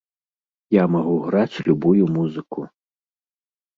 Я магу граць любую музыку.